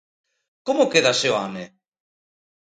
Como queda Seoane?